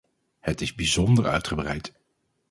Het is bijzonder uitgebreid.